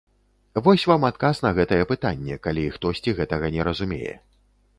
Вось вам адказ на гэтае пытанне, калі хтосьці гэтага не разумее.